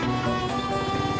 neng rika mau langsung berangkat